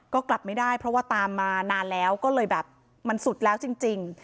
ก็กลับไม่ได้เพราะว่าตามมานานแล้วก็เลยแบบมันสุดแล้วจริง